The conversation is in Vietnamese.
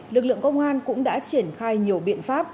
lực lượng công an cũng đã triển khai nhiều biện pháp